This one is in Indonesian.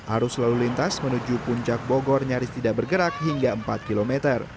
arus lalu lintas menuju puncak bogor nyaris tidak bergerak hingga empat km